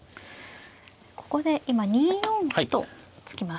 ここで今２四歩と突きましたね。